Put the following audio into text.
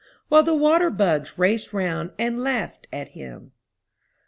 While the water bugs raced round and laughed at him.